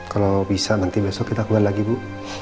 kalau bisa nanti besok kita keluar lagi bu